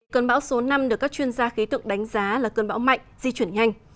cơn bão số năm được các chuyên gia khí tượng đánh giá là cơn bão mạnh di chuyển nhanh